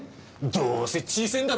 どうせ小せえんだろ？